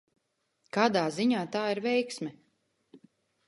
Kādā ziņā tā ir veiksme?